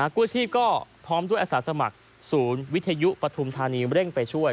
กู้ชีพก็พร้อมด้วยอาสาสมัครศูนย์วิทยุปฐุมธานีเร่งไปช่วย